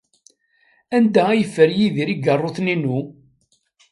Anda ay yeffer Yidir igeṛṛuten-inu?